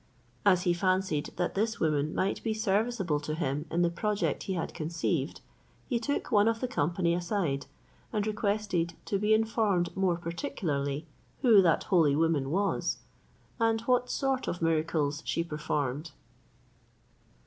As he fancied that this woman might be serviceable to him in the project he had conceived, he took one of the company aside, and requested to be informed more particularly who that holy woman was, and what sort of miracles she performed.